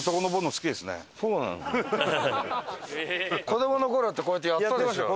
子どもの頃ってこうやってやったでしょ？